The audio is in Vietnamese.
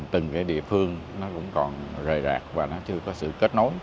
từng cái địa phương nó cũng còn rời rạc và nó chưa có sự kết nối